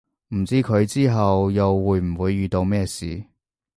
唔知佢之後又會唔會遇到咩事